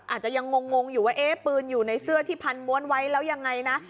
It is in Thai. อาจจะยังงงอยู่ว่าเอ๊ะปืนอยู่ในเสื้อที่พันม้วนไว้แล้วยังไงนะ